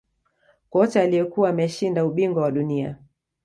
Kocha aliyekuwa ameshinda ubingwa wa dunia